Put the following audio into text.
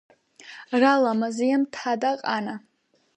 რა ლამაზია მთა და ყანა